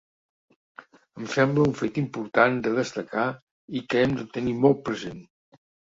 Em sembla un fet important de destacar i que hem de tenir molt present.